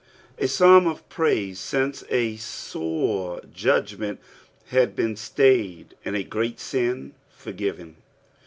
A Fsalm </ praise, since a sore judgment had b««n glaytd, and a greal sin forgiven.